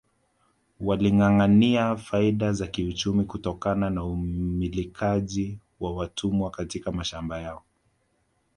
Walingâangâania faida za kiuchumi kutokana na umilikaji wa watumwa katika mashamba yao